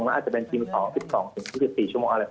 แล้วอาจจะเป็นทีม๒๑๒๖๔ชั่วโมงอะไรประมาณนี้เป็นข้อ